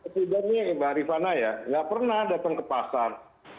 tidaknya mbak rifana ya nggak pernah datang ke pasar